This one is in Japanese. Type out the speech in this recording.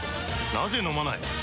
なぜ飲まない？